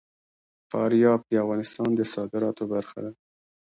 فاریاب د افغانستان د صادراتو برخه ده.